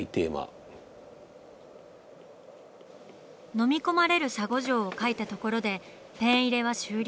のみ込まれる沙悟浄を描いたところでペン入れは終了。